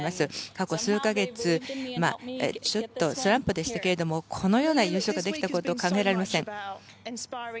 過去数か月ちょっとスランプでしたけどこのような優勝ができたことは考えられません。